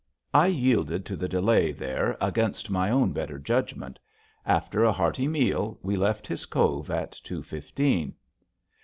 I yielded to the delay there against my own better judgment. After a hearty meal we left his cove at two fifteen.